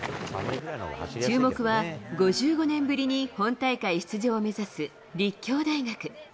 注目は、５５年ぶりに本大会出場を目指す立教大学。